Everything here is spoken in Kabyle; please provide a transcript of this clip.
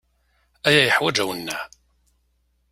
Aya yeḥwaǧ awenneɛ.